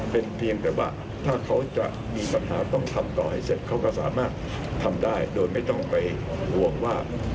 เป็นเพียงแต่ว่าถ้าเขาจะมีปัญหาต้องทำต่อให้เสร็จเขาก็สามารถทำได้โดยไม่ต้องไปห่วงว่า